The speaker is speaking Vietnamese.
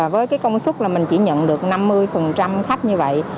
với công sức là mình chỉ nhận được năm mươi khách như vậy